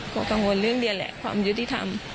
ก็กังวลเรื่องเรียนแหละความยุติธรรม